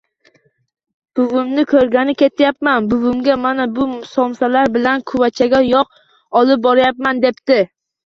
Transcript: — Buvimni koʻrgani ketyapman, buvimga mana bu somsalar bilan kuvachada yogʼ olib boryapman, — debdi